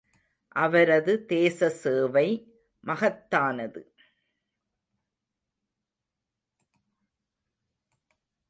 அவரது தேச சேவை மகத்தானது.